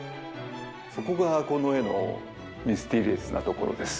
そこがこの絵のミステリアスなところです。